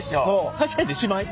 はしゃいでしまい？